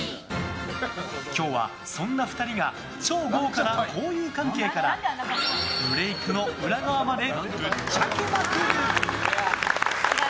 今日は、そんな２人が超豪華な交友関係からブレークの裏側までぶっちゃけまくる！